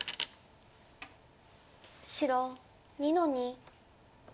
白２の二。